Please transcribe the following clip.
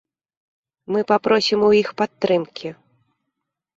Мы папросім у іх падтрымкі.